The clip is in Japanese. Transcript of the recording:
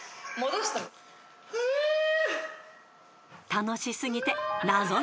［楽し過ぎて］